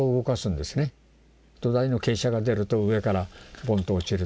土台の傾斜が出ると上からボンと落ちるという。